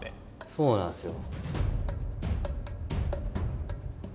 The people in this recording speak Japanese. そうなんですよ。